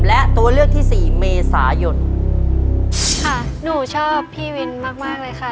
และตัวเลือกที่สี่เมษายนค่ะหนูชอบพี่วินมากมากเลยค่ะ